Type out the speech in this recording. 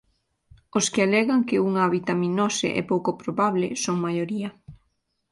Os que alegan que unha avitaminose é pouco probable son maioría.